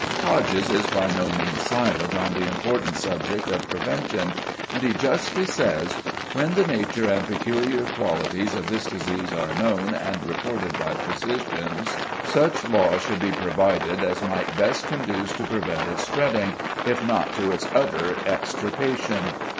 Hodges is by no means silent on the important subject of prevention, and he justly says: "When the nature and peculiar qualities of this disease are known and reported by physicians, such laws should be provided as might best conduce to prevent its spreading, if not to its utter extirpation."